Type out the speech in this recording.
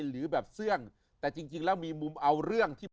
หรือแบบเสื้องแต่จริงแล้วมีมุมเอาเรื่องที่